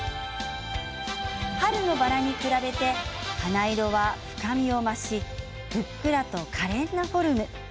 春のバラに比べて花色は深みを増しふっくらとかれんなフォルム。